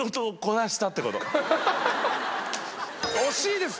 惜しいです。